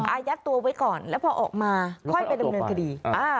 อายัดตัวไว้ก่อนแล้วพอออกมาค่อยไปดำเนินคดี